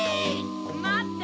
まって！